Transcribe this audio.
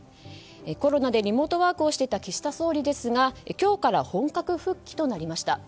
コロナでリモートワークをしていた岸田総理ですが今日から本格復帰となりました。